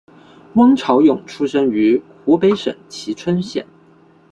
汪潮涌出生于湖北省蕲春县。